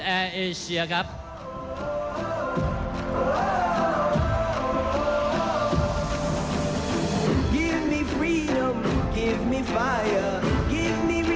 ท่านแรกครับจันทรุ่ม